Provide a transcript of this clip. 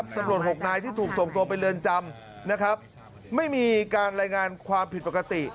ตำรวจหกนายที่ถูกส่งตัวไปเรือนจำนะครับไม่มีการรายงานความผิดปกติ